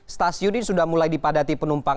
stasiun ini sudah mulai dipadati penumpang